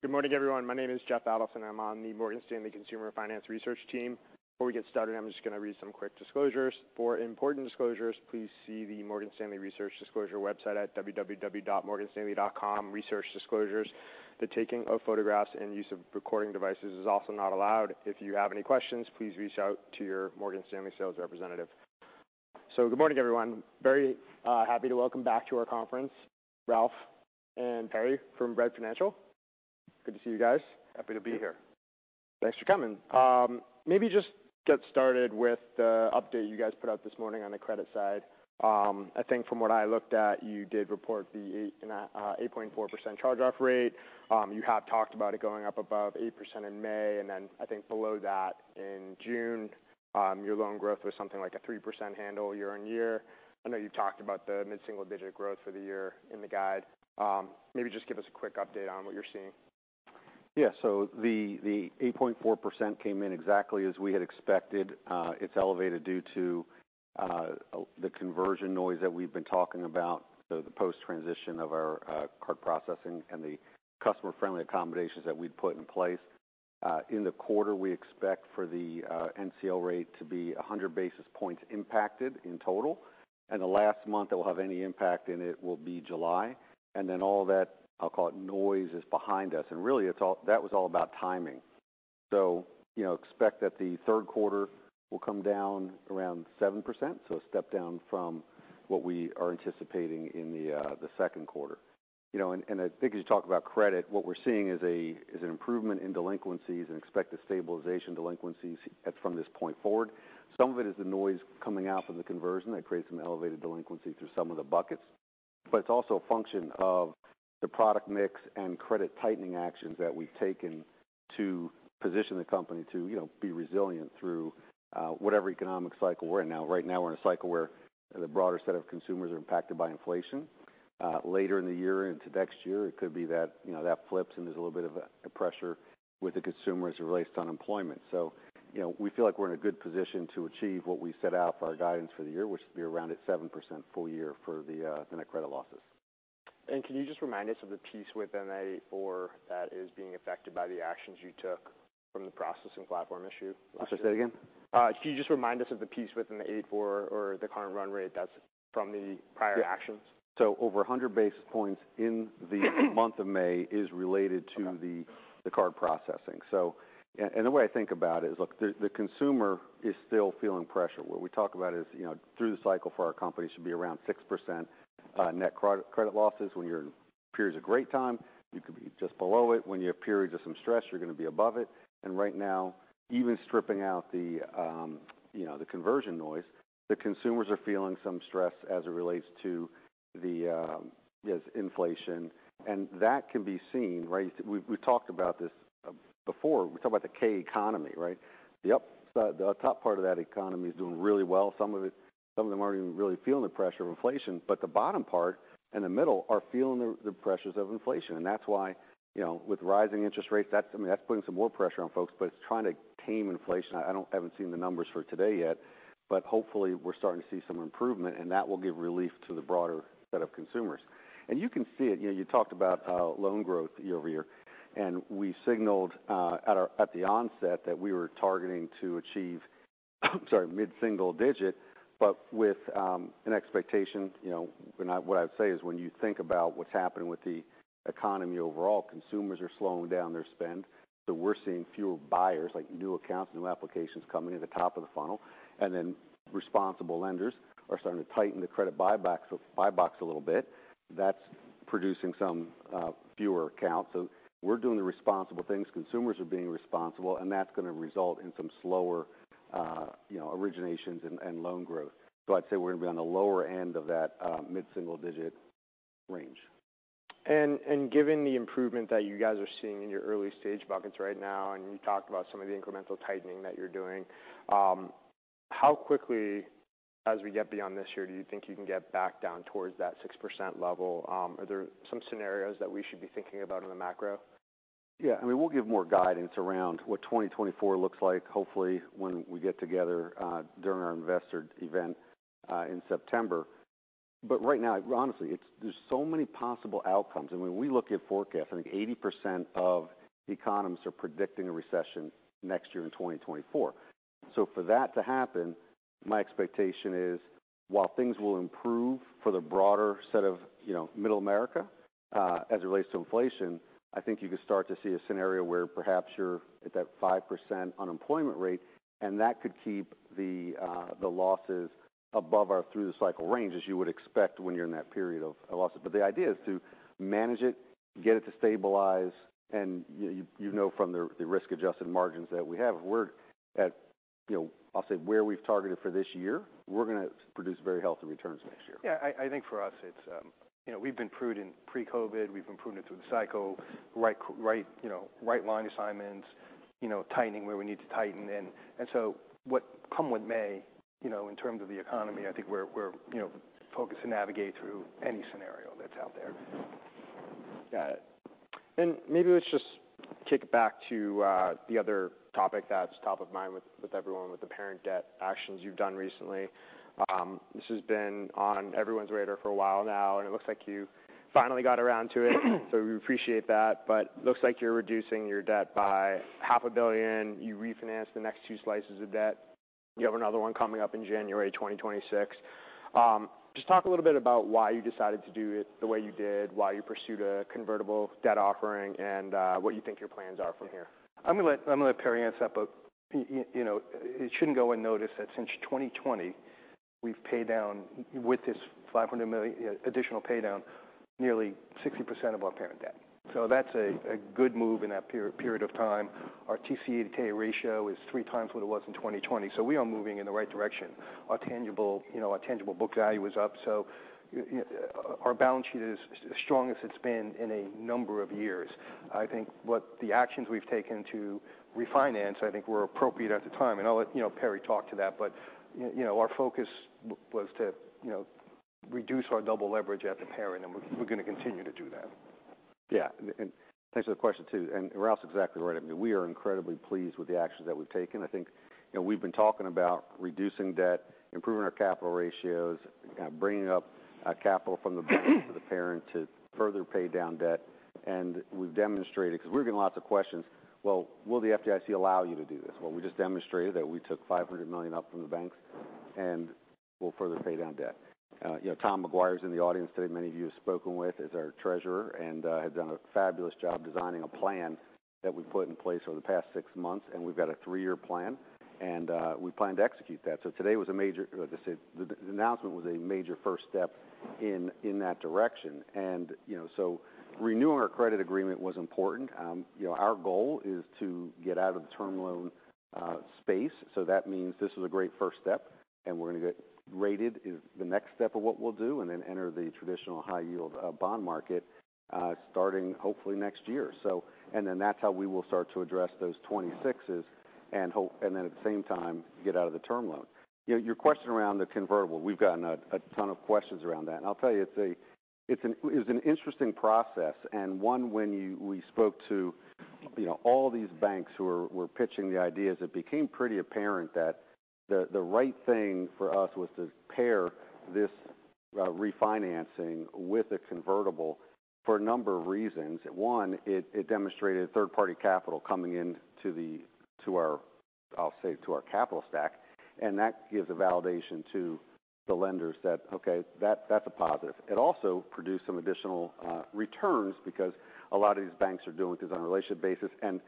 Good morning, everyone. My name is Jeff Adelson. I'm on the Morgan Stanley Consumer Finance Research team. Before we get started, I'm just going to read some quick disclosures. For important disclosures, please see the Morgan Stanley Research Disclosure website at www.morganstanley.com/research_disclosures. The taking of photographs and use of recording devices is also not allowed. If you have any questions, please reach out to your Morgan Stanley sales representative. Good morning, everyone. Very happy to welcome back to our conference, Ralph and Perry from Bread Financial. Good to see you guys. Happy to be here. Thanks for coming. Maybe just get started with the update you guys put out this morning on the credit side. I think from what I looked at, you did report the 8.4% charge-off rate. You have talked about it going up above 8% in May, and then I think below that in June. Your loan growth was something like a 3% handle year-over-year. I know you talked about the mid-single-digit growth for the year in the guide. Maybe just give us a quick update on what you're seeing. Yeah. The 8.4% came in exactly as we had expected. It's elevated due to the conversion noise that we've been talking about, so the post-transition of our card processing and the customer-friendly accommodations that we'd put in place. In the quarter, we expect for the NCL rate to be 100 basis points impacted in total, and the last month it will have any impact in it will be July. All that, I'll call it, noise is behind us, and really, that was all about timing. You know, expect that the third quarter will come down around 7%, so a step down from what we are anticipating in the second quarter. You know, I think, as you talk about credit, what we're seeing is an improvement in delinquencies and expect a stabilization delinquencies at from this point forward. Some of it is the noise coming out from the conversion. That creates some elevated delinquency through some of the buckets, but it's also a function of the product mix and credit tightening actions that we've taken to position the company to, you know, be resilient through whatever economic cycle we're in now. Right now, we're in a cycle where the broader set of consumers are impacted by inflation. Later in the year into next year, it could be that, you know, that flips and there's a little bit of a pressure with the consumers as it relates to unemployment. You know, we feel like we're in a good position to achieve what we set out for our guidance for the year, which would be around at 7% full year for the net credit losses. Can you just remind us of the piece within the 84 that is being affected by the actions you took from the processing platform issue? I'm sorry, say it again. Can you just remind us of the piece within the 84 or the current run rate that's from the prior actions? Over 100 basis points in the month of May is related to. Okay... the card processing. The way I think about it is, look, the consumer is still feeling pressure. What we talk about is, you know, through the cycle for our company should be around 6% net credit losses. When you're in periods of great time, you could be just below it. When you have periods of some stress, you're going to be above it. Right now, even stripping out the, you know, the conversion noise, the consumers are feeling some stress as it relates to the, yes, inflation, and that can be seen, right? We talked about this before. We talked about the K-shaped economy, right? The top part of that economy is doing really well. Some of it... Some of them aren't even really feeling the pressure of inflation, but the bottom part and the middle are feeling the pressures of inflation. That's why, you know, with rising interest rates, that's, I mean, that's putting some more pressure on folks, but it's trying to tame inflation. I haven't seen the numbers for today yet, but hopefully we're starting to see some improvement, and that will give relief to the broader set of consumers. You can see it. You know, you talked about loan growth year-over-year, we signaled at the onset that we were targeting to achieve, I'm sorry, mid-single digit, but with an expectation, you know, what I would say is when you think about what's happening with the economy overall, consumers are slowing down their spend. We're seeing fewer buyers, like new accounts, new applications coming in the top of the funnel, and then responsible lenders are starting to tighten the credit buy box a little bit. That's producing some fewer accounts. We're doing the responsible things, consumers are being responsible, and that's going to result in some slower, you know, originations and loan growth. I'd say we're going to be on the lower end of that mid-single-digit range. Given the improvement that you guys are seeing in your early-stage buckets right now, and you talked about some of the incremental tightening that you're doing, how quickly, as we get beyond this year, do you think you can get back down towards that 6% level? Are there some scenarios that we should be thinking about in the macro? Yeah, we will give more guidance around what 2024 looks like, hopefully when we get together during our Investor Event in September. Right now, honestly, there's so many possible outcomes, and when we look at forecasts, I think 80% of economists are predicting a recession next year in 2024. For that to happen, my expectation is, while things will improve for the broader set of, you know, Middle America, as it relates to inflation, I think you could start to see a scenario where perhaps you're at that 5% unemployment rate, and that could keep the losses above or through the cycle range, as you would expect when you're in that period of a loss. The idea is to manage it, get it to stabilize, and you know, from the risk-adjusted margins that we have, we're at, you know, I'll say where we've targeted for this year, we're going to produce very healthy returns next year. Yeah, I think for us it's, you know, we've been prudent pre-COVID. We've been prudent through the cycle, right, you know, right line assignments, you know, tightening where we need to tighten. Come what may, you know, in terms of the economy, I think we're, you know, focused to navigate through any scenario that's out there. Got it. Maybe let's just kick it back to the other topic that's top of mind with everyone, with the parent debt actions you've done recently. This has been on everyone's radar for a while now, it looks like you finally got around to it. We appreciate that, looks like you're reducing your debt by half a billion. You refinance the next two slices of debt. You have another one coming up in January 2026. Just talk a little bit about why you decided to do it the way you did, why you pursued a convertible debt offering, and what you think your plans are from here. I'm going to let Perry answer that. You know, it shouldn't go unnoticed that since 2020, we've paid down with this $500 million additional pay down, nearly 60% of our parent debt. That's a good move in that period of time. Our TCE-to-ratio is 3x what it was in 2020, we are moving in the right direction. Our tangible, you know, our tangible book value is up, our balance sheet is as strong as it's been in a number of years. I think what the actions we've taken to refinance, I think, were appropriate at the time, I'll let, you know, Perry talk to that. You know, our focus was to, you know, reduce our double leverage at the parent, and we're going to continue to do that. Yeah, thanks for the question, too. Ralph's exactly right. I mean, we are incredibly pleased with the actions that we've taken. I think, you know, we've been talking about reducing debt, improving our capital ratios, kind of bringing up capital from the parent to further pay down debt. We've demonstrated, because we're getting lots of questions: "Well, will the FDIC allow you to do this?" Well, we just demonstrated that we took $500 million up from the banks, and we'll further pay down debt. You know, Tom McGuire is in the audience today. Many of you have spoken with, is our Treasurer, and has done a fabulous job designing a plan that we put in place over the past six months, and we've got a three-year plan, and we plan to execute that. Today was a major like I said, the announcement was a major first step in that direction. You know, renewing our credit agreement was important. You know, our goal is to get out of the term loan space. That means this is a great first step, and we're going to get rated is the next step of what we'll do, and then enter the traditional high yield bond market starting hopefully next year. That's how we will start to address those 2026s and then at the same time, get out of the term loan. You know, your question around the convertible, we've gotten a ton of questions around that. I'll tell you, it was an interesting process and one when we spoke to, you know, all these banks who were pitching the ideas, it became pretty apparent that the right thing for us was to pair this refinancing with a convertible for a number of reasons. One, it demonstrated third-party capital coming into our, I'll say, to our capital stack, and that gives a validation to the lenders that, okay, that's a positive. It also produced some additional returns because a lot of these banks are doing this on a relationship basis, and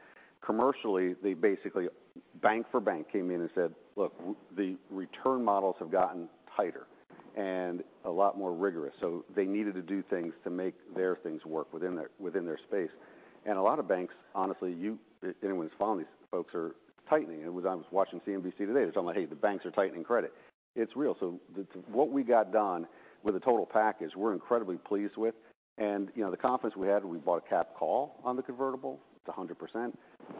commercially, they basically, bank for bank, came in and said, "Look, the return models have gotten tighter and a lot more rigorous." They needed to do things to make their things work within their space. A lot of banks, honestly, anyone who's following these folks are tightening. I was watching CNBC today. They're talking about, "Hey, the banks are tightening credit." It's real. What we got done with the total package, we're incredibly pleased with. You know, the confidence we had, we bought a cap call on the convertible. It's 100%.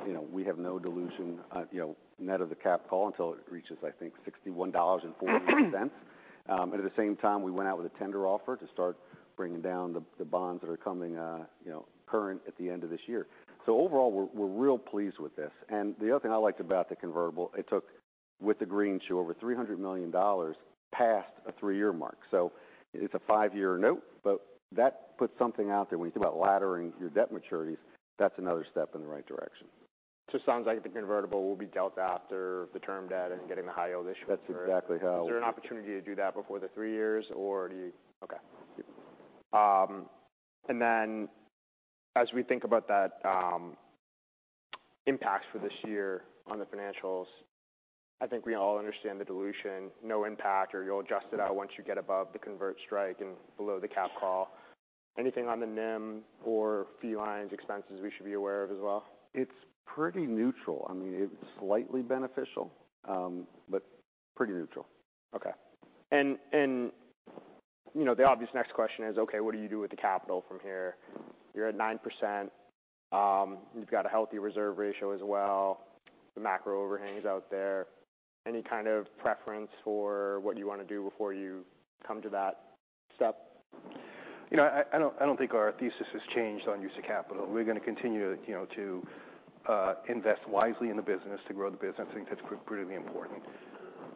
You know, we have no dilution, you know, net of the cap call until it reaches, I think, $61.48. At the same time, we went out with a tender offer to start bringing down the bonds that are coming current at the end of this year. Overall, we're real pleased with this. The other thing I liked about the convertible, it took, with the greenshoe, over $300 million past a three-year mark. It's a five-year note, but that puts something out there. When you think about laddering your debt maturities, that's another step in the right direction. It sounds like the convertible will be dealt after the term debt and getting the high-yield issue? That's exactly how. Is there an opportunity to do that before the three years, or do you? Okay. Then as we think about that, impact for this year on the financials, I think we all understand the dilution, no impact, or you'll adjust it out once you get above the convert strike and below the capital call. Anything on the NIM or fee lines, expenses we should be aware of as well? It's pretty neutral. I mean, it's slightly beneficial, but pretty neutral. Okay. You know, the obvious next question is: Okay, what do you do with the capital from here? You're at 9%. You've got a healthy reserve ratio as well. The macro overhang is out there. Any kind of preference for what you want to do before you come to that step? You know, I don't think our thesis has changed on use of capital. We're going to continue, you know, to invest wisely in the business, to grow the business. I think that's pretty important.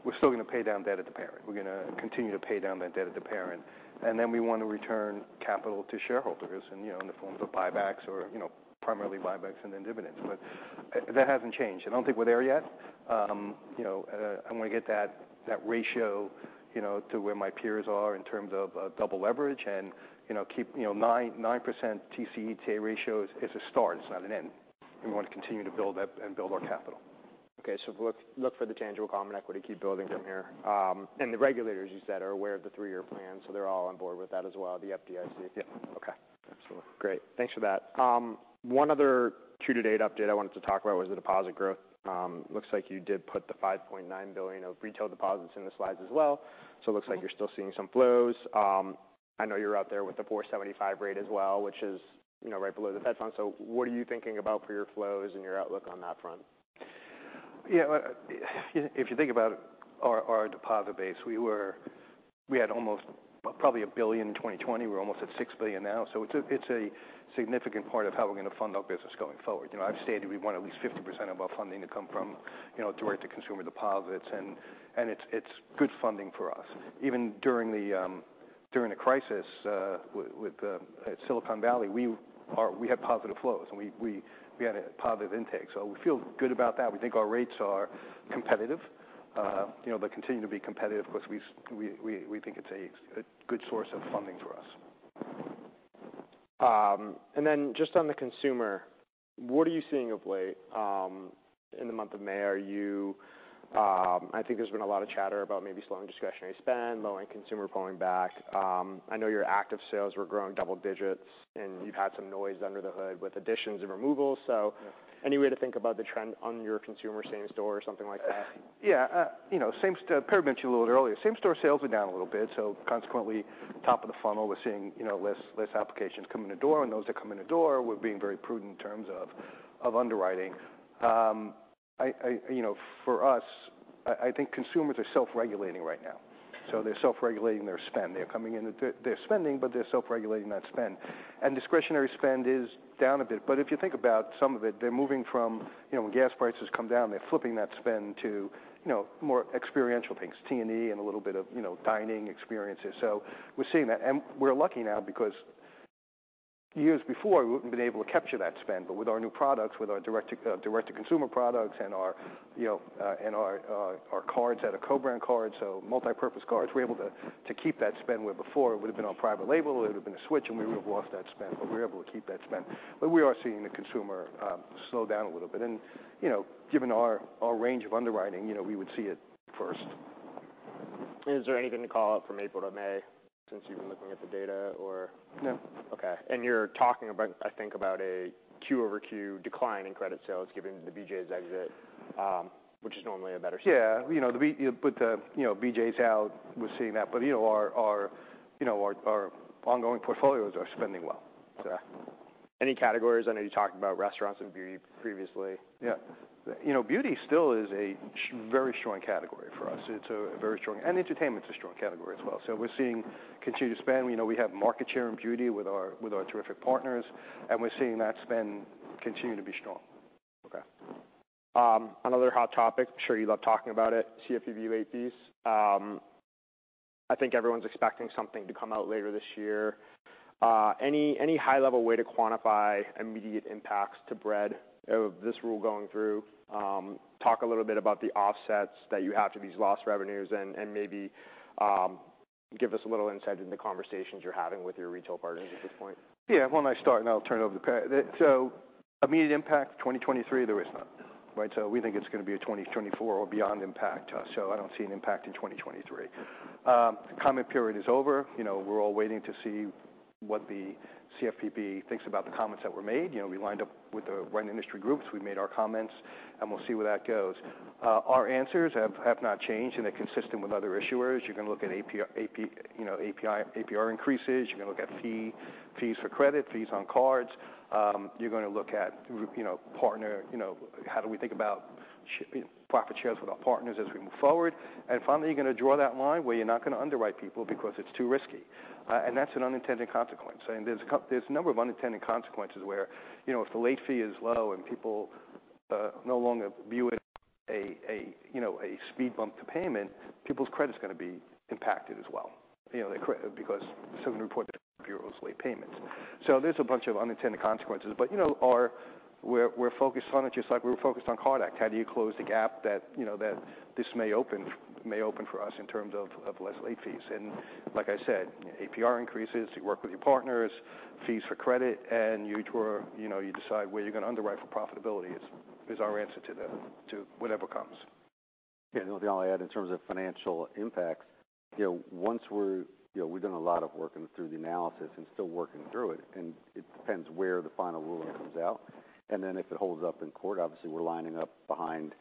We're still going to pay down debt at the parent. We're going to continue to pay down that debt at the parent, and then we want to return capital to shareholders and, you know, in the form of buybacks or, you know, primarily buybacks and then dividends. That hasn't changed. I don't think we're there yet. You know, I want to get that ratio, you know, to where my peers are in terms of double leverage and, you know, keep, you know, 9% TCE to ratio is, it's a start. It's not an end. We want to continue to build that and build our capital. Okay, look for the tangible common equity to keep building from here. The regulators you said, are aware of the three-year plan, so they're all on board with that as well, the FDIC? Yeah. Okay. Absolutely. Great. Thanks for that. One other two-to-date update I wanted to talk about was the deposit growth. Looks like you did put the $5.9 billion of retail deposits in the slides as well. It looks like you're still seeing some flows. I know you're out there with the 4.75% rate as well, which is, you know, right below the Fed Fund. What are you thinking about for your flows and your outlook on that front? If you think about our deposit base, we had almost probably $1 billion in 2020. We're almost at $6 billion now. It's a significant part of how we're going to fund our business going forward. You know, I've stated we want at least 50% of our funding to come from, you know, direct-to-consumer deposits, and it's good funding for us. Even during the crisis, with at Silicon Valley, we had positive flows, and we had a positive intake, so we feel good about that. We think our rates are competitive, you know, they continue to be competitive 'cause we think it's a good source of funding for us. Just on the consumer, what are you seeing of late, in the month of May? I think there's been a lot of chatter about maybe slowing discretionary spend, low-end consumer pulling back. I know your active sales were growing double digits, and you've had some noise under the hood with additions and removals. Any way to think about the trend on your consumer same store or something like that? You know, I mentioned a little earlier, same store sales are down a little bit. Consequently, top of the funnel, we're seeing, you know, less applications come in the door, and those that come in the door, we're being very prudent in terms of underwriting. You know, for us, I think consumers are self-regulating right now. They're self-regulating their spend. They're coming in, they're spending, they're self-regulating that spend. Discretionary spend is down a bit, if you think about some of it, they're moving from, you know, when gas prices come down, they're flipping that spend to, you know, more experiential things, T&E, and a little bit of, you know, dining experiences. We're seeing that. We're lucky now because years before, we wouldn't have been able to capture that spend. With our new products, with our direct to direct-to-consumer products and our, you know, and our cards at a co-brand card, so multipurpose cards, we're able to keep that spend, where before it would have been on private label, it would have been a switch, and we would have lost that spend, but we're able to keep that spend. We are seeing the consumer slow down a little bit. You know, given our range of underwriting, you know, we would see it first. Is there anything to call out from April to May, since you've been looking at the data? No. Okay. You're talking about, I think about a Q-over-Q decline in credit sales, given the BJ's exit, which is normally a better-. Yeah. You know, with the, you know, BJ's out, we're seeing that. You know, our, you know, our ongoing portfolios are spending well. Any categories? I know you talked about restaurants and beauty previously. Yeah. You know, beauty still is a very strong category for us. It's a very strong. Entertainment is a strong category as well. We're seeing continued spend. We know we have market share in beauty with our terrific partners, and we're seeing that spend continue to be strong. Okay. Another hot topic, I'm sure you love talking about it, CFPB late fees. I think everyone's expecting something to come out later this year. Any high-level way to quantify immediate impacts to bread of this rule going through? Talk a little bit about the offsets that you have to these lost revenues, and maybe give us a little insight into conversations you're having with your retail partners at this point. Why don't I start, and I'll turn it over to Perry. Immediate impact, 2023, there is none, right? We think it's going to be a 2024 or beyond impact to us. I don't see an impact in 2023. Comment period is over. You know, we're all waiting to see what the CFPB thinks about the comments that were made. You know, we lined up with the right industry groups. We made our comments, and we'll see where that goes. Our answers have not changed, and they're consistent with other issuers. You're going to look at, you know, APR increases. You're going to look at fees for credit, fees on cards. You're going to look at, you know, partner, you know, how do we think about profit shares with our partners as we move forward? Finally, you're going to draw that line where you're not going to underwrite people because it's too risky. That's an unintended consequence. There's a number of unintended consequences where, you know, if the late fee is low and people no longer view it a, you know, a speed bump to payment, people's credit is going to be impacted as well. You know, because it's going to report the bureau's late payments. There's a bunch of unintended consequences, but, you know, we're focused on it, just like we're focused on CARD Act. How do you close the gap that, you know, that this may open for us in terms of less late fees? Like I said, APR increases, you work with your partners, fees for credit, you know, you decide where you're going to underwrite for profitability is our answer to whatever comes. Yeah. The only I'll add in terms of financial impacts, you know. We've done a lot of working through the analysis and still working through it, and it depends where the final ruling comes out. If it holds up in court, obviously, we're lining up behind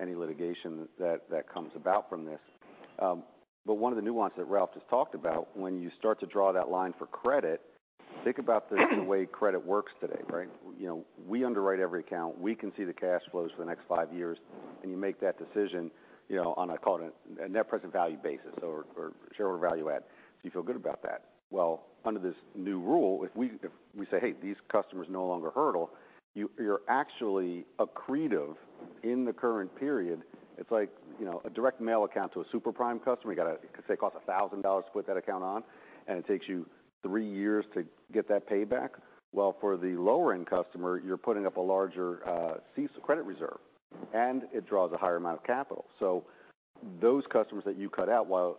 any litigation that comes about from this. One of the nuances that Ralph just talked about, when you start to draw that line for credit, think about this in the way credit works today, right? You know, we underwrite every account. We can see the cash flows for the next 5 years, and you make that decision, you know, on a, call it a net present value basis or shareholder value add. You feel good about that. Under this new rule, if we say, "Hey, these customers no longer hurdle," you're actually accretive in the current period. It's like, you know, a direct mail account to a super prime customer, you got to say, cost $1,000 to put that account on, and it takes you three years to get that pay back. For the lower-end customer, you're putting up a larger, CECL credit reserve, and it draws a higher amount of capital. Those customers that you cut out, while,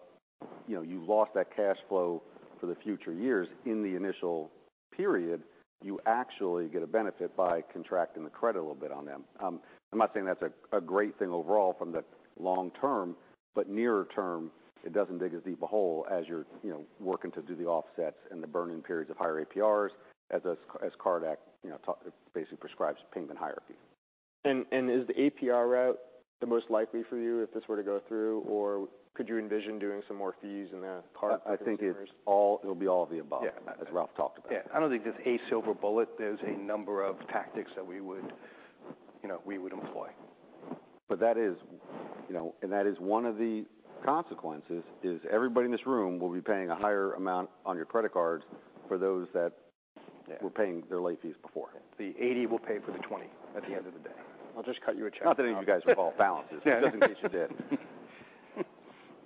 you know, you lost that cash flow for the future years in the initial period, you actually get a benefit by contracting the credit a little bit on them. I'm not saying that's a great thing overall from the long term, but nearer term, it doesn't dig as deep a hole as you're, you know, working to do the offsets and the burning periods of higher APRs as CARD Act, you know, basically prescribes payment hierarchy. Is the APR route the most likely for you if this were to go through, or could you envision doing some more fees in the card? I think it'll be all of the above. Yeah as Ralph talked about. I don't think there's a silver bullet. There's a number of tactics that we would, you know, we would employ. That is, you know, and that is one of the consequences, is everybody in this room will be paying a higher amount on your credit cards for those that. Yeah -were paying their late fees before. The $80 will pay for the $20 at the end of the day. I'll just cut you a check. Not that any of you guys have all balances. Yeah. Just in case you did.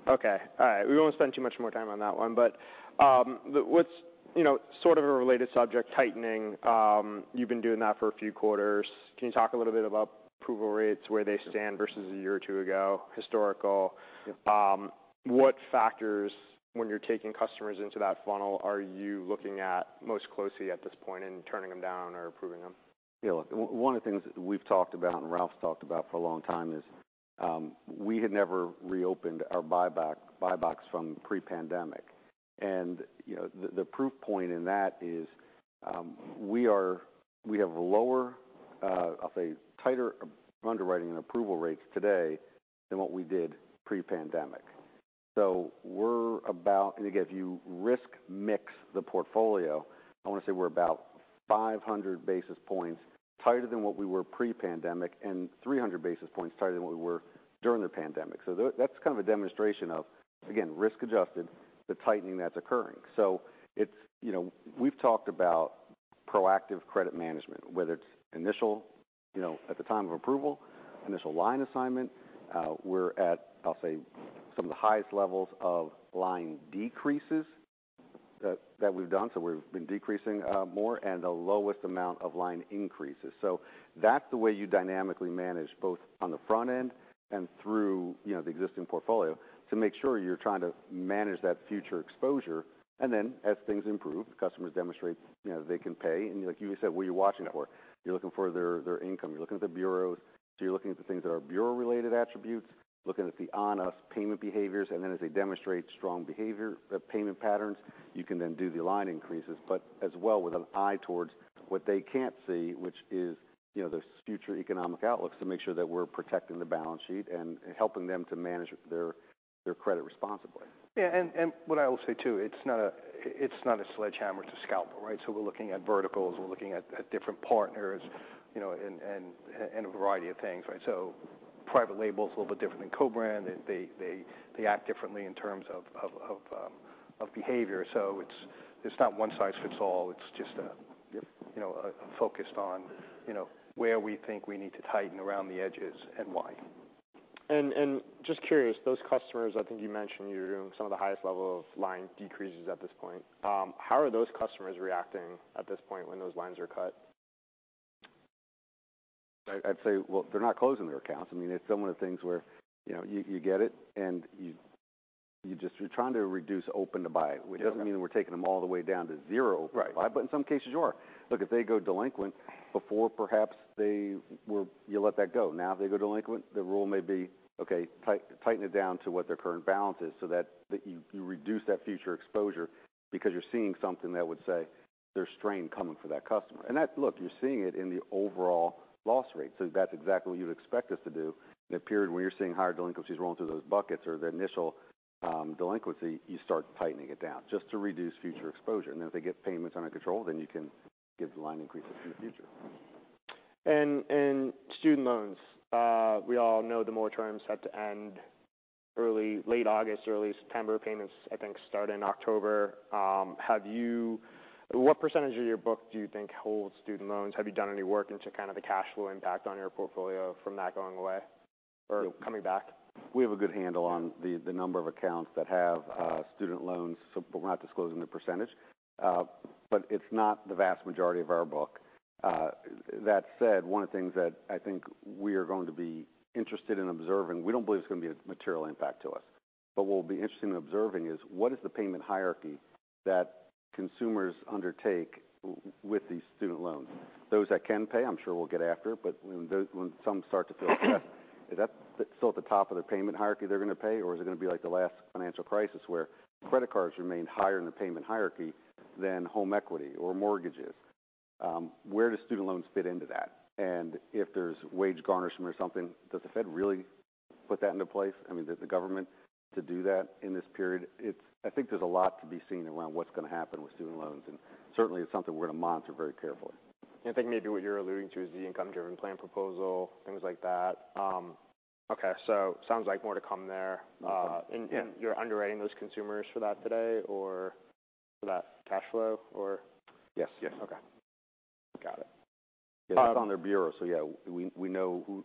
Okay. All right. We won't spend too much more time on that one, what's, you know, sort of a related subject, tightening. You've been doing that for a few quarters. Can you talk a little bit about approval rates, where they stand versus a year or two ago, historical? Yeah. What factors, when you're taking customers into that funnel, are you looking at most closely at this point in turning them down or approving them? Yeah, look, one of the things that we've talked about, and Ralph's talked about for a long time, is, we had never reopened our buy box from pre-pandemic. You know, the proof point in that is, we have lower, I'll say tighter underwriting and approval rates today than what we did pre-pandemic. We're about. Again, if you risk-mix the portfolio, I want to say we're about 500 basis points tighter than what we were pre-pandemic and 300 basis points tighter than what we were during the pandemic. That's kind of a demonstration of, again, risk-adjusted, the tightening that's occurring. You know, we've talked about proactive credit management, whether it's initial, you know, at the time of approval, initial line assignment. We're at, I'll say, some of the highest levels of line decreases that we've done, so we've been decreasing, more, and the lowest amount of line increases. That's the way you dynamically manage both on the front end and through, you know, the existing portfolio, to make sure you're trying to manage that future exposure. Then, as things improve, customers demonstrate, you know, they can pay. Like you said, what are you watching for? Yeah. You're looking for their income. You're looking at the bureaus. You're looking at the things that are bureau-related attributes, looking at the on-us payment behaviors, and then as they demonstrate strong behavior, payment patterns, you can then do the line increases, but as well, with an eye towards what they can't see, which is, you know, those future economic outlooks, to make sure that we're protecting the balance sheet and helping them to manage their credit responsibly. Yeah. What I will say, too, it's not a, it's not a sledgehammer to scalpel, right? We're looking at verticals, we're looking at different partners, you know, a variety of things, right? private label is a little bit different than co-brand. They act differently in terms of behavior. It's not one size fits all. Yep... you know, focused on, you know, where we think we need to tighten around the edges and why. Just curious, those customers, I think you mentioned you're doing some of the highest level of line decreases at this point. How are those customers reacting at this point when those lines are cut? I'd say, well, they're not closing their accounts. I mean, it's some of the things where, you know, you get it, and You're trying to reduce open to buy. Yeah which doesn't mean we're taking them all the way down to zero open to buy. Right. In some cases, you are. Look, if they go delinquent before, perhaps you let that go. If they go delinquent, the rule may be, okay, tighten it down to what their current balance is, so that you reduce that future exposure because you're seeing something that would say there's strain coming for that customer. That's... Look, you're seeing it in the overall loss rate. That's exactly what you'd expect us to do. In a period where you're seeing higher delinquencies rolling through those buckets or the initial delinquency, you start tightening it down just to reduce future exposure. If they get payments under control, then you can give the line increases in the future. Student loans, we all know the more terms have to end late August, early September. Payments, I think, start in October. What % of your book do you think holds student loans? Have you done any work into kind of the cash flow impact on your portfolio from that going away or coming back? We have a good handle on the number of accounts that have student loans, so we're not disclosing the percentage, but it's not the vast majority of our book. That said, one of the things that I think we are going to be interested in observing, we don't believe it's going to be a material impact to us. What will be interesting in observing is, what is the payment hierarchy that consumers undertake with these student loans? Those that can pay, I'm sure we'll get after it, but when some start to feel stressed, is that still at the top of the payment hierarchy they're going to pay, or is it going to be like the last financial crisis, where credit cards remained higher in the payment hierarchy than home equity or mortgages? Where does student loans fit into that? If there's wage garnishment or something, does the Fed really put that into place? I mean, does the government to do that in this period? I think there's a lot to be seen around what's going to happen with student loans, certainly it's something we're going to monitor very carefully. I think maybe what you're alluding to is the income-driven plan proposal, things like that. Okay, sounds like more to come there. Yeah. You're underwriting those consumers for that today or for that cash flow or? Yes. Yes. Okay. Got it. It's on their bureau, so yeah, we know who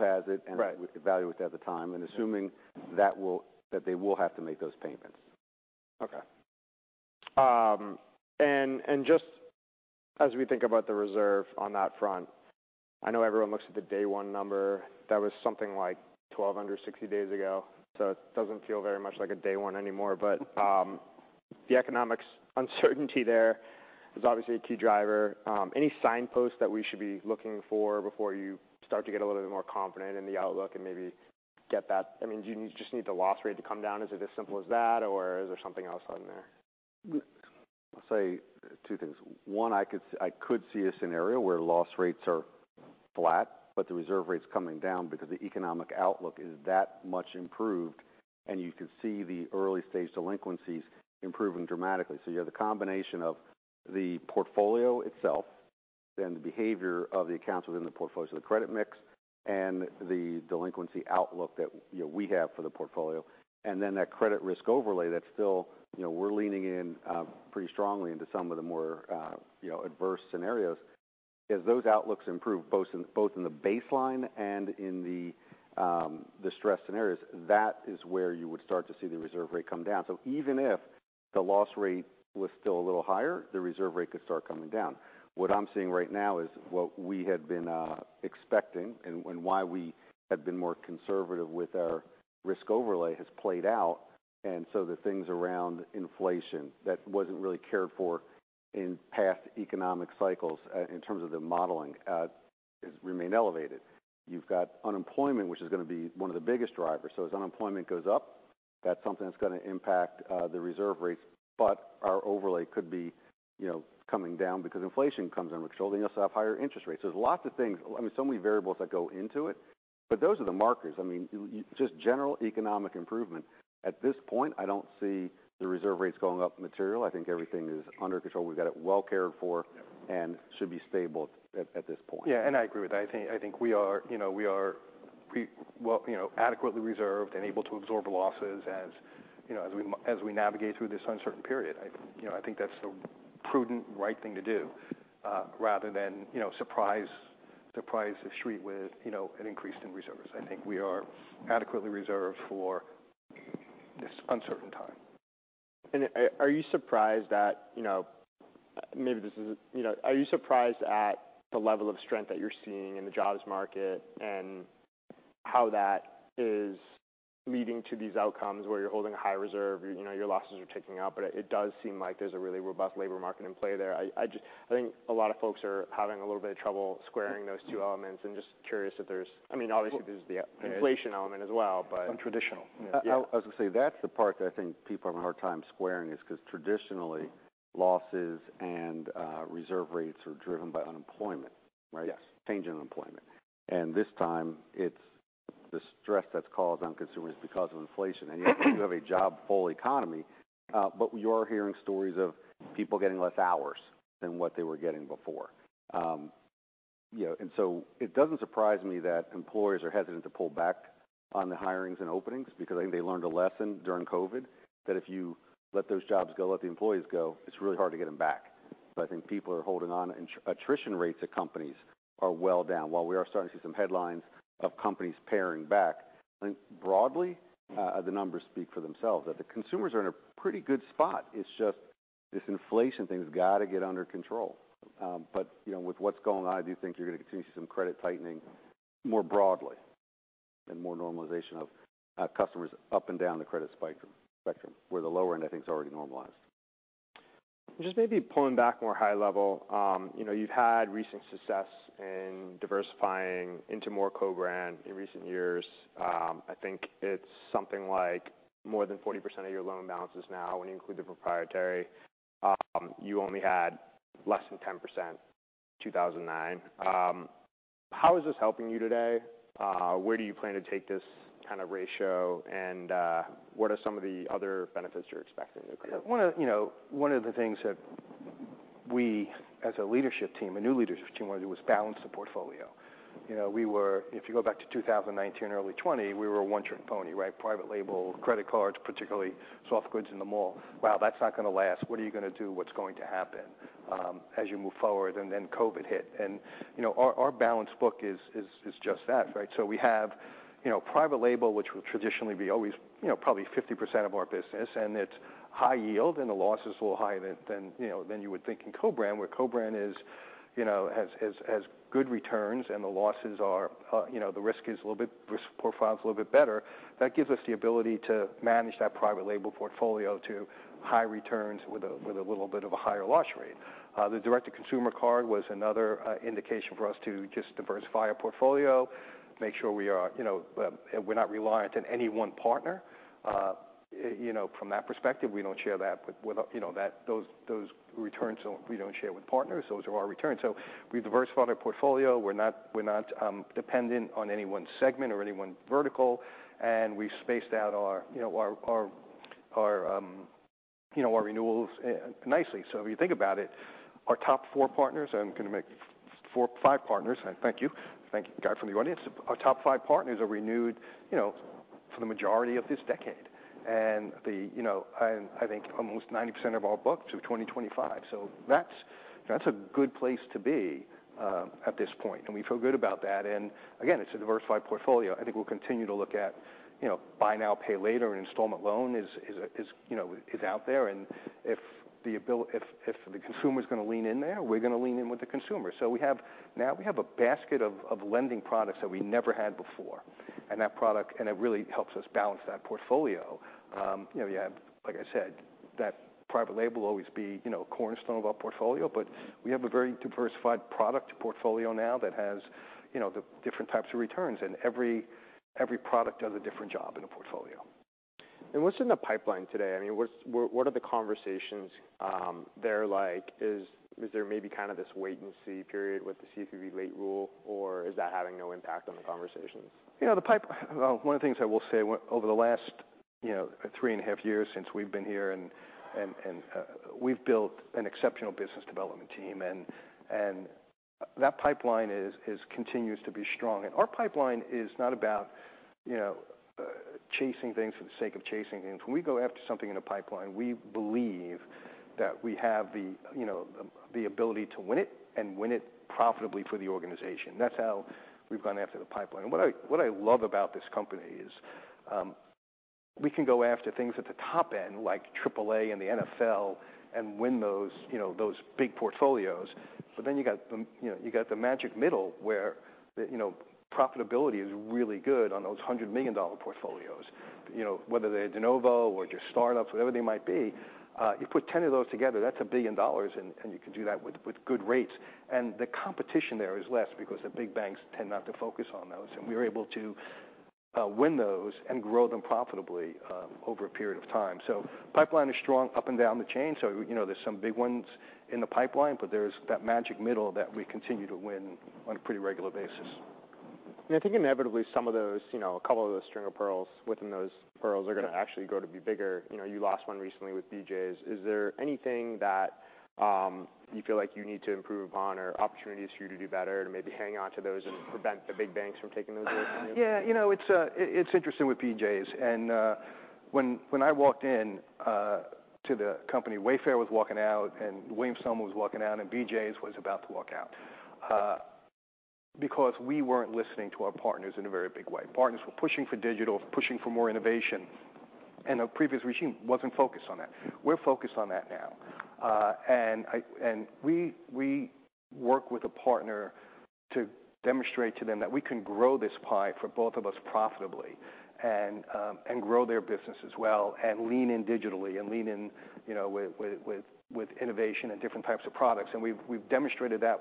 has it... Right We evaluate it at the time, and assuming that they will have to make those payments. Okay. Just as we think about the reserve on that front, I know everyone looks at the day one number. That was something like 1,260 days ago, so it doesn't feel very much like a day one anymore. The economics uncertainty there is obviously a key driver. Any signposts that we should be looking for before you start to get a little bit more confident in the outlook and maybe get that... I mean, do you just need the loss rate to come down? Is it as simple as that, or is there something else on there? I'll say two things: One, I could see a scenario where loss rates are flat, but the reserve rate's coming down because the economic outlook is that much improved, and you could see the early-stage delinquencies improving dramatically. You have the combination of the portfolio itself, then the behavior of the accounts within the portfolio, so the credit mix and the delinquency outlook that, you know, we have for the portfolio, and then that credit risk overlay, that's still, you know, we're leaning in pretty strongly into some of the more, you know, adverse scenarios. As those outlooks improve, both in the baseline and in the stress scenarios, that is where you would start to see the reserve rate come down. Even if the loss rate was still a little higher, the reserve rate could start coming down. What I'm seeing right now is what we had been expecting and why we had been more conservative with our risk overlay has played out. The things around inflation that wasn't really cared for in past economic cycles in terms of the modeling has remained elevated. You've got unemployment, which is gonna be one of the biggest drivers. As unemployment goes up, that's something that's gonna impact the reserve rates, but our overlay could be, you know, coming down because inflation comes under control, you also have higher interest rates. There's lots of things. I mean, so many variables that go into it, but those are the markers. I mean, just general economic improvement. At this point, I don't see the reserve rates going up material. I think everything is under control. We've got it well cared for and should be stable at this point. Yeah, I agree with that. I think we are, you know, we are well, you know, adequately reserved and able to absorb losses as, you know, as we navigate through this uncertain period. I, you know, I think that's the prudent right thing to do, rather than, you know, surprise the Street with, you know, an increase in reserves. I think we are adequately reserved for this uncertain time. Are you surprised that, you know, maybe this is... You know, are you surprised at the level of strength that you're seeing in the jobs market, and how that is leading to these outcomes where you're holding a high reserve, you know, your losses are ticking up? It does seem like there's a really robust labor market in play there. I think a lot of folks are having a little bit of trouble squaring those two elements. I'm just curious if there's. I mean, obviously, there's the inflation element as well, but... Untraditional. I was gonna say, that's the part that I think people have a hard time squaring is 'cause traditionally, losses and reserve rates are driven by unemployment, right? Yes. Change in unemployment. This time, it's the stress that's caused on consumers because of inflation. You have a job, full economy, but you are hearing stories of people getting less hours than what they were getting before. You know, it doesn't surprise me that employers are hesitant to pull back on the hirings and openings because I think they learned a lesson during COVID, that if you let those jobs go, let the employees go, it's really hard to get them back. I think people are holding on, attrition rates at companies are well down. While we are starting to see some headlines of companies paring back, I think broadly, the numbers speak for themselves, that the consumers are in a pretty good spot. It's just this inflation thing has got to get under control. You know, with what's going on, I do think you're gonna continue to see some credit tightening more broadly and more normalization of customers up and down the credit spectrum, where the lower end, I think, is already normalized. Just maybe pulling back more high level. You know, you've had recent success in diversifying into more co-brand in recent years. I think it's something like more than 40% of your loan balance is now, when you include the proprietary, you only had less than 10% in 2009. How is this helping you today? Where do you plan to take this kind of ratio, and what are some of the other benefits you're expecting there? One of, you know, one of the things that we as a leadership team, a new leadership team, wanted to do was balance the portfolio. You know, if you go back to 2019, early 2020, we were a one-trick pony, right? Private label credit cards, particularly soft goods in the mall. Well, that's not gonna last. What are you gonna do? What's going to happen as you move forward? COVID hit. You know, our balance book is just that, right? We have, you know, private label, which will traditionally be always, you know, probably 50% of our business, and it's high yield, and the losses are a little higher than, you know, than you would think in co-brand, where co-brand is, you know, has good returns and the risk profile is a little bit better. That gives us the ability to manage that private label portfolio to high returns with a little bit of a higher loss rate. The direct-to-consumer card was another indication for us to just diversify our portfolio, make sure we are, you know, we're not reliant on any one partner. From that perspective, we don't share that with, you know, those returns we don't share with partners. Those are our returns. We've diversified our portfolio. We're not dependent on any one segment or any one vertical, and we've spaced out our, you know, our renewals nicely. If you think about it, our top four partners, I'm gonna make five partners, thank you. Thank you, guy from the audience. Our top five partners are renewed, you know, for the majority of this decade. I think almost 90% of our books are 2025. That's a good place to be at this point, and we feel good about that. Again, it's a diversified portfolio. I think we'll continue to look at, you know, buy now, pay later, and installment loan is, you know, is out there. If the consumer is gonna lean in there, we're gonna lean in with the consumer. Now we have a basket of lending products that we never had before, and it really helps us balance that portfolio. You know, you have, like I said, that private label will always be, you know, a cornerstone of our portfolio, but we have a very diversified product portfolio now that has, you know, the different types of returns, and every product does a different job in a portfolio. What's in the pipeline today? I mean, what are the conversations there like? Is there maybe kind of this wait-and-see period with the CFPB late rule, or is that having no impact on the conversations? You know, one of the things I will say, over the last 3.5 years since we've been here, and we've built an exceptional business development team, and that pipeline continues to be strong. Our pipeline is not about, you know, chasing things for the sake of chasing things. When we go after something in a pipeline, we believe that we have the, you know, the ability to win it and win it profitably for the organization. That's how we've gone after the pipeline. What I love about this company is, we can go after things at the top end, like AAA and the NFL, and win those, you know, those big portfolios. You got the, you know, you got the magic middle, where the, you know, profitability is really good on those $100 million portfolios. You know, whether they're de novo or just startups, whatever they might be, you put 10 of those together, that's $1 billion, and you can do that with good rates. The competition there is less because the big banks tend not to focus on those, and we are able to win those and grow them profitably over a period of time. Pipeline is strong up and down the chain, so, you know, there's some big ones in the pipeline, but there's that magic middle that we continue to win on a pretty regular basis. I think inevitably, some of those, you know, a couple of those string of pearls within those pearls are gonna actually grow to be bigger. You know, you lost one recently with BJ's. Is there anything that you feel like you need to improve upon or opportunities for you to do better, to maybe hang on to those and prevent the big banks from taking those away from you? Yeah, you know, it's interesting with BJ's. When I walked in to the company, Wayfair was walking out, Williams-Sonoma was walking out, and BJ's was about to walk out because we weren't listening to our partners in a very big way. Partners were pushing for digital, pushing for more innovation, and the previous regime wasn't focused on that. We're focused on that now. We work with a partner to demonstrate to them that we can grow this pie for both of us profitably, grow their business as well, and lean in digitally and lean in, you know, with innovation and different types of products. We've demonstrated that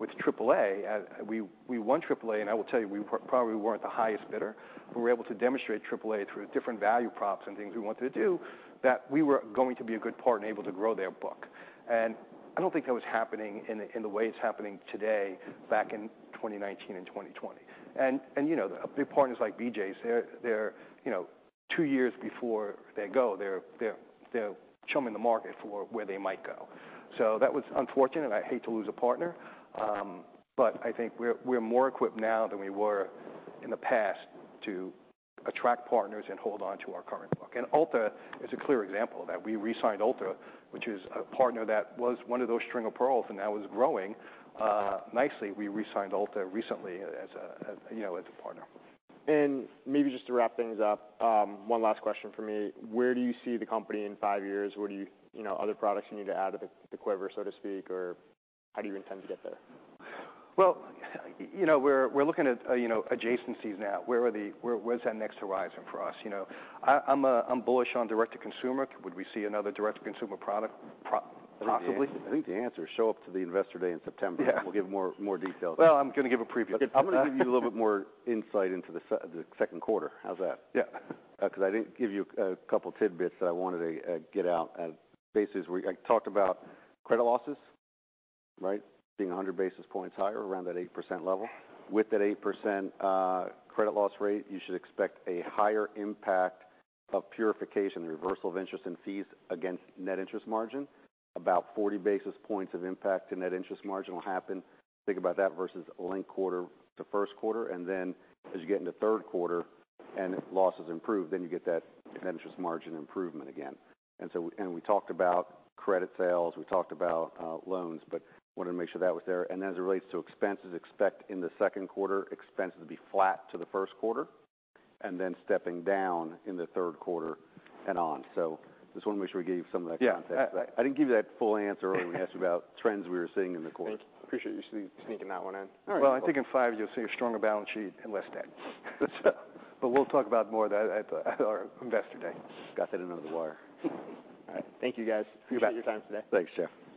with AAA. We won AAA. I will tell you, we probably weren't the highest bidder, we were able to demonstrate AAA through different value props and things we wanted to do, that we were going to be a good partner and able to grow their book. I don't think that was happening in the way it's happening today, back in 2019 and 2020. You know, the partners like BJ's, they're, you know, two years before they go, they're chumming the market for where they might go. That was unfortunate, and I hate to lose a partner. I think we're more equipped now than we were in the past to attract partners and hold onto our current book. Ulta is a clear example of that. We re-signed Ulta, which is a partner that was one of those string of pearls and now is growing, nicely. We re-signed Ulta recently as a, you know, as a partner. Maybe just to wrap things up, one last question from me. Where do you see the company in five years? You know, other products you need to add to the quiver, so to speak, or how do you intend to get there? Well, you know, we're looking at, you know, adjacencies now. Where's that next horizon for us, you know? I'm bullish on direct-to-consumer. Would we see another direct-to-consumer product possibly? I think the answer is show up to the Investor Day in September. Yeah. We'll give more details. Well, I'm gonna give a preview. I'm gonna give you a little bit more insight into the second quarter. How's that? Yeah. 'Cause I didn't give you a couple tidbits that I wanted to get out at bases. I talked about credit losses, right? Being 100 basis points higher, around that 8% level. With that 8% credit loss rate, you should expect a higher impact of charge-off, the reversal of interest and fees against net interest margin. About 40 basis points of impact to net interest margin will happen. Think about that versus linked quarter to first quarter, and then as you get into third quarter and losses improve, then you get that net interest margin improvement again. We talked about credit sales, we talked about loans, but wanted to make sure that was there. As it relates to expenses, expect in the second quarter, expenses to be flat to the first quarter, and then stepping down in the third quarter and on. Just wanna make sure we gave you some of that context. Yeah. I didn't give you that full answer when you asked about trends we were seeing in the quarter. I appreciate you sneaking that one in. All right. Well, I think in five, you'll see a stronger balance sheet and less debt. We'll talk about more of that at our Investor Day. Got that in under the wire. All right. Thank you, guys. You bet. Appreciate your time today. Thanks, Jeff.